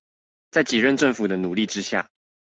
在幾任政府的努力之下